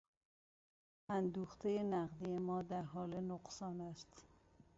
اندوختهی نقدی ما در حال نقصان است.